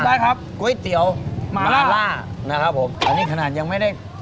ได้ครับก๋วยเตี๋ยวหมาลาดล่านะครับผมอันนี้ขนาดยังไม่ได้